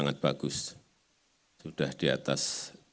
sangat bagus sudah di atas